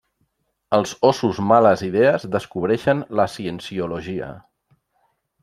Els Ossos Males Idees descobreixen la Cienciologia.